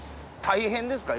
大変ですか？